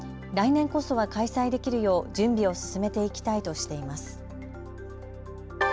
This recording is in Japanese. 来年こそは開催できるよう準備を進めていきたいとしています。